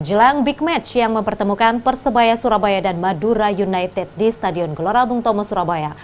jelang big match yang mempertemukan persebaya surabaya dan madura united di stadion gelora bung tomo surabaya